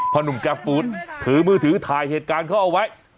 หนุ่มแก๊ฟฟู้ดถือมือถือถ่ายเหตุการณ์เขาเอาไว้